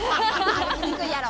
歩きにくいやろ。